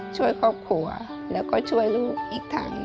ช่วยครอบครัวแล้วก็ช่วยลูกอีกทั้ง